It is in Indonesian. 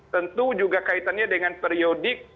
tentu juga kaitannya dengan periodik